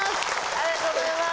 ありがとうございます。